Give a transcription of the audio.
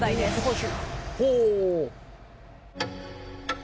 ほう。